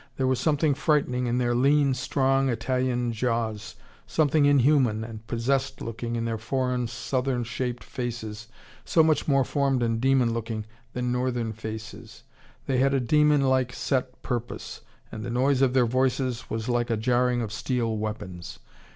There was something frightening in their lean, strong Italian jaws, something inhuman and possessed looking in their foreign, southern shaped faces, so much more formed and demon looking than northern faces. They had a demon like set purpose, and the noise of their voices was like a jarring of steel weapons.